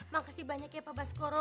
makasih banyak ya pak baskoro